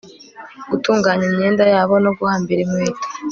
gutunganya imyenda yabo no guhambira inkweto